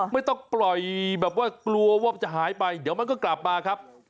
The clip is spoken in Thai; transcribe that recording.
ไม่ต้องปล่อยแบบว่ากลัวว่าจะหายไปเดี๋ยวมันก็กลับมาครับ